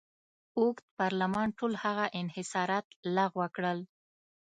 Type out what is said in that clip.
اوږد پارلمان ټول هغه انحصارات لغوه کړل.